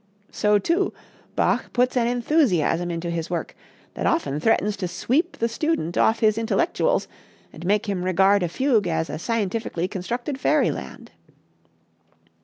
So, too, Bach put an enthusiasm into his work that often threatens to sweep the student off his intellectuals and make him regard a fugue as a scientifically constructed fairyland.